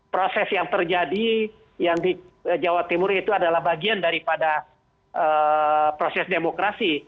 proses yang terjadi yang di jawa timur itu adalah bagian daripada proses demokrasi